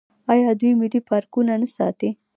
آیا دوی ملي پارکونه نه ساتي؟